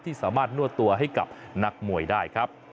สามารถนวดตัวให้กับนักมวยได้ครับ